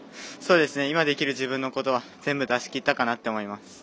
今できる自分のことは全部出しきったかなと思います。